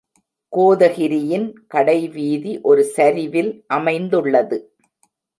கோதகிரியின் கடைவீதி ஒரு சரிவில் அமைந்துள்ளது.